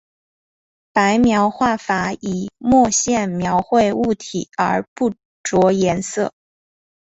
白描画法以墨线描绘物体而不着颜色。